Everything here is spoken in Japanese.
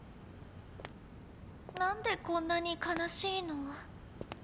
なんでこんなにかなしいの？